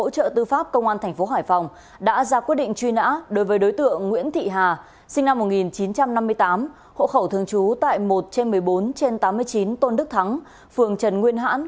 các đối tượng đã mắc nối với đối tượng trần thị lý chú thị xã hòa thành